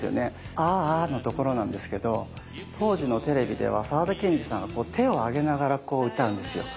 「アア」のところなんですけど当時のテレビでは沢田研二さんがこう手を上げながらこう歌うんですよ。